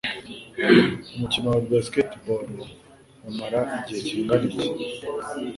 Umukino wa basketball umara igihe kingana iki?